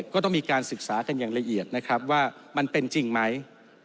ก็ต้องมีการศึกษากันอย่างละเอียดนะครับว่ามันเป็นจริงไหม